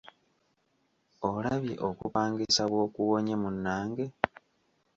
Olabye okupangisa bw’okuwonye munnange!